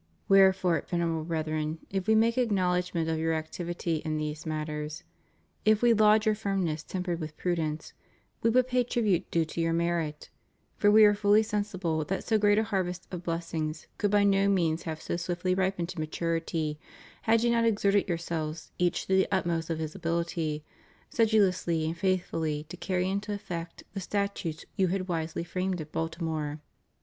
Wherefore, Venerable Brethren, if We make acknowl edgment of your activity in these matters, if We laud your firmness tempered with prudence, We but pay tribute due to your merit ; for We are fully sensible that so great a harvest of blessings could by no means have so swiftly ripened to maturity, had you not exerted yourselves, each to the utmost of his ability, sedulously and faith fully to carry into effect the statutes you had wisely framed at Baltimore.